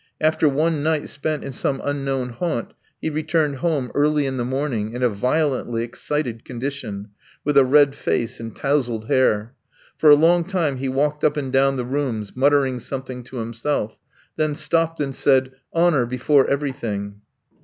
After one night spent in some unknown haunt he returned home early in the morning, in a violently excited condition, with a red face and tousled hair. For a long time he walked up and down the rooms muttering something to himself, then stopped and said: "Honour before everything."